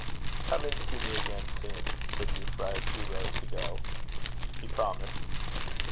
"Come and see me again soon," said Euphra, as Hugh rose to go. He promised.